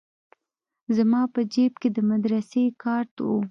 زما په جيب کښې د مدرسې کارت و.